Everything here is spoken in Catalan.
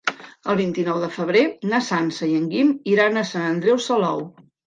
El vint-i-nou de febrer na Sança i en Guim iran a Sant Andreu Salou.